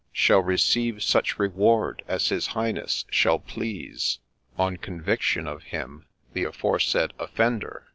Shall receive — such REWARD — as his Highness shall please, On conviction of him, the aforesaid offender.